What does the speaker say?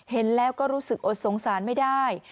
เห็นแล้วก็รู้สึกอดสงสารไม่ได้